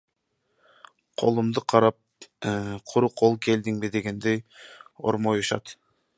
Колумду карап, куру кол келдиңби дегендей ормоюшат.